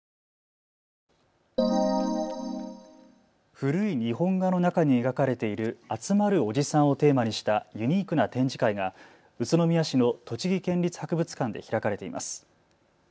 古い日本画の中に描かれている集まるおじさんをテーマにしたユニークな展示会が宇都宮市の栃木県立博物館で開かれています。